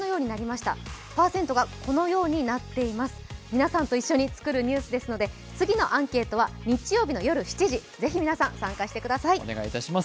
皆さんと一緒に作るニュースですので、次のアンケートは日曜日の夜７時、ぜひ皆さん、参加してください。